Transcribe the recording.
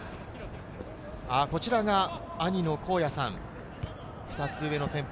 こちらが兄の豪哉さん、２つ上の先輩。